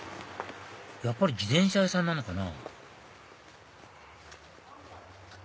やっぱり自転車屋さんなのかな？